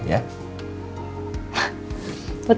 kita disuruh duluan foto ya